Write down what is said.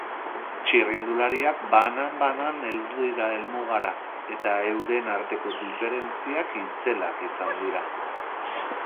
Txirrindulariak banan-banan heldu dira helmugara eta euren arteko diferentziak itzelak izan dira.